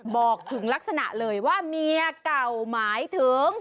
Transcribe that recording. บอกถึงลักษณะเลยว่าเมียเก่าหมายถึง